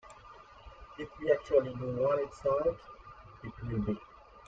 If we actually do want it solved, it will be.